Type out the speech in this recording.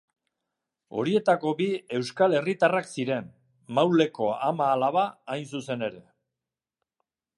Horietako bi euskal herritarrak ziren: Mauleko ama-alaba hain zuzen ere.